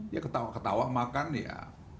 ya ketawa ketawa makan ya